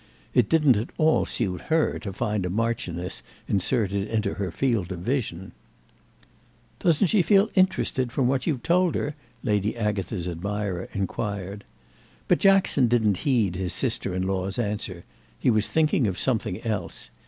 It didn't at all suit her to find a marchioness inserted into her field of vision. "Doesn't she feel interested from what you've told her?" Lady Agatha's admirer inquired. But Jackson didn't heed his sister in law's answer—he was thinking of something else.